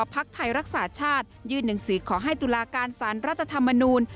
พักไทยรักษาชาติยื่นหนังสือขอให้ตุลาการสารรัฐธรรมนูล